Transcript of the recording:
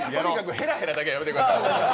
へらへらだけはやめてください。